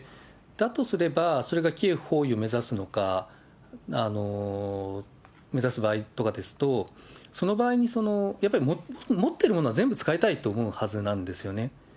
だとすれば、それがキエフ包囲を目指すのか、目指す場合とかですと、その場合にやっぱり持ってるものは全部使いたいと思うはずなんですよね。